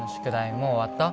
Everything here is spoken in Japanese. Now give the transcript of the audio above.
もう終わった？